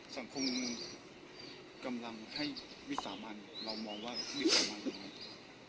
สังคมกำลังให้วิสามัญเรามองว่าวิสามัญอย่างไร